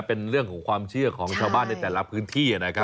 เป็นเรื่องของความเชื่อของชาวบ้านในแต่ละพื้นที่นะครับ